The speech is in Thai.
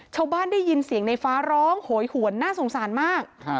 ได้ยินเสียงในฟ้าร้องโหยหวนน่าสงสารมาก